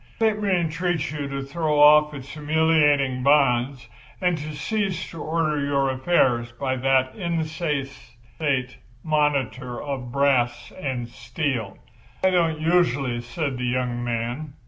Let me entreat you to throw off its humiliating bonds and to cease to order your affairs by that insensate monitor of brass and steel." "I don't usually," said the young man.